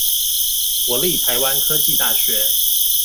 國立臺灣科技大學